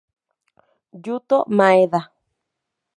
Yuto Maeda